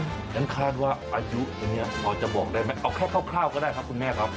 งั้นคาดว่าอายุอันนี้พอจะบอกได้ไหมเอาแค่คร่าวก็ได้ครับคุณแม่ครับ